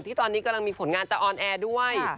ตอนนี้กำลังมีผลงานจากออนแอร์ด้วย